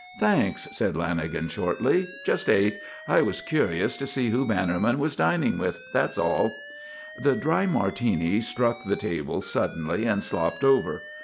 "Thanks," said Lanagan, shortly. "Just ate. I was curious to see who Bannerman was dining with. That's all." The dry Martini struck the table suddenly and slopped over.